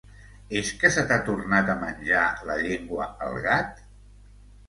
És que se t'ha tornat a menjar la llengua el gat?